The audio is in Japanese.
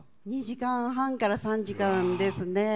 ２時間半から３時間ですね。